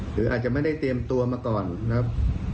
หรืออาจจะไม่ได้เตรียมตัวมาก่อนนะครับ